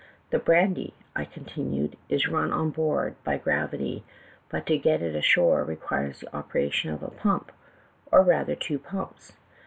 " 'The brandy,' I continued, 'is run on board by gravity, but to get it ashore requires the opera tion of a pump, or rather of two pumps.